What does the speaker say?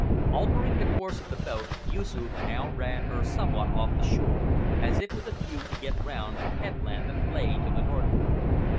Altering the course of the boat, Yoosoof now ran her somewhat off the shore, as if with a view to get round a headland that lay to the northward.